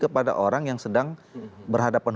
kepada orang yang sedang berhadapan